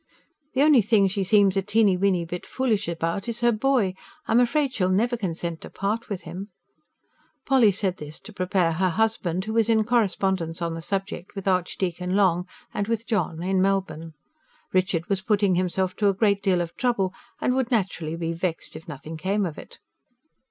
The only thing she seems a teeny weeny bit foolish about is her boy. I'm afraid she'll never consent to part with him." Polly said this to prepare her husband, who was in correspondence on the subject with Archdeacon Long and with John in Melbourne. Richard was putting himself to a great deal of trouble, and would naturally be vexed if nothing came of it.